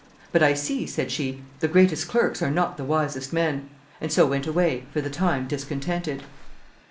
'But I see,' said she, 'the greatest clerks are not the wisest men;' and so went away for the time discontented.